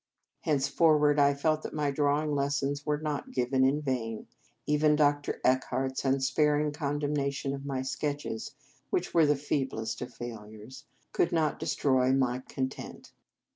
Henceforward I felt that my drawing lessons were not given in vain. Even Dr. Eckhart s unspar ing condemnation of my sketches which were the feeblest of failures could not destroy my content.